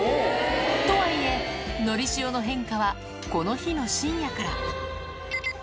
とはいえ、のりしおの変化はこの日の深夜から。